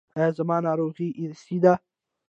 ایا زما ناروغي ارثي ده؟